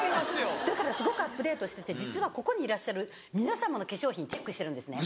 だからすごくアップデートしてて実はここにいらっしゃる皆様の化粧品チェックしてるんですね。